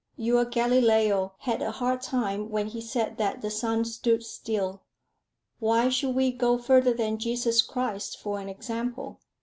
Your Galileo had a hard time when he said that the sun stood still. Why should we go further than Jesus Christ for an example?